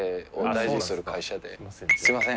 すいません。